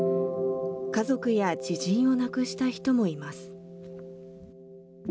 家族や知人を亡くした人もいます。